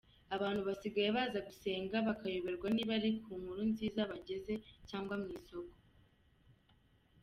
Abantu basigaye baza gusenga bakayoberwa niba ari ku Nkuru Nziza bageze cyangwa mu isoko.